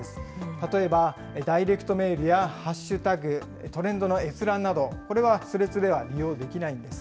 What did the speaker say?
例えばダイレクトメールやハッシュタグ、トレンドの閲覧などこれはスレッズでは利用できないんです。